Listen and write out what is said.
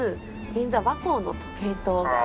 銀座・和光の時計塔が。